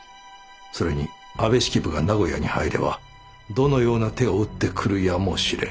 それに安部式部が名古屋に入ればどのような手を打ってくるやもしれぬ。